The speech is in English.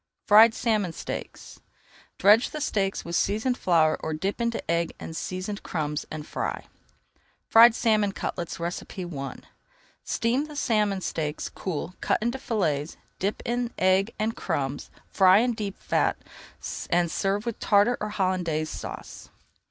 FRIED SALMON STEAKS Dredge the steaks with seasoned flour or dip into egg and seasoned crumbs and fry. FRIED SALMON CUTLETS I Steam salmon steaks, cool, cut into fillets, dip in egg and crumbs, fry in deep fat, and serve with Tartar or Hollandaise Sauce.